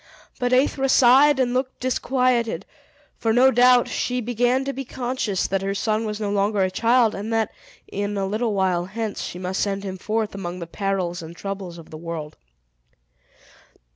But Aethra sighed, and looked disquieted; for, no doubt, she began to be conscious that her son was no longer a child, and that, in a little while hence, she must send him forth among the perils and troubles of the world.